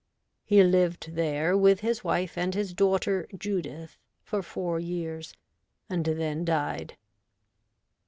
He lived there with his wife and his daughter Judith for four years, and then died.